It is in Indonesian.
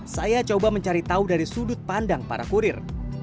saya coba mencari tahu dari sudut pandang para kurir